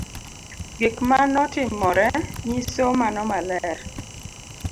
Gik ma notimore nyiso mano maler